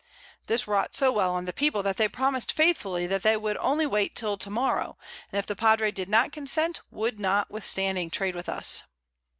This wrought so well on the People, that they promis'd faithfully they would only wait till to morrow, and if the Padre did not consent, would notwithstanding trade with us.